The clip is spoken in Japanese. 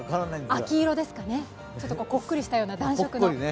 秋色ですかね、ほっこりしたような暖色の。